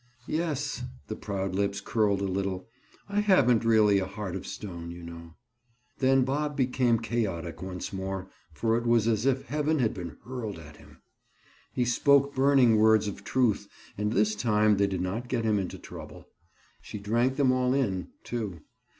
"Yes," the proud lips curled a little, "I haven't really a heart of stone, you know." Then Bob became chaotic once more for it was as if heaven had been hurled at him. He spoke burning words of truth and this time they did not get him into trouble. She drank them all in, too.